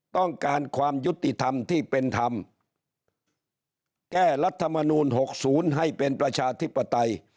ต้องการความยุติธรรมที่เป็นธรรมแก้รัฐมนูล๖๐ให้เป็นประชาธิปไตย